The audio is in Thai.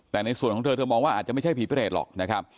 แต่ในส่วนของเธอมองว่าอาจจะไม่ใช่ผีเปรตแหละ